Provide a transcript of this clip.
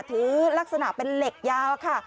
ถือลักษณะเป็นเหล็กยาวค่ะ